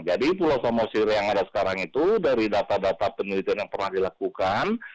jadi pulau samosir yang ada sekarang itu dari data data penelitian yang pernah dilakukan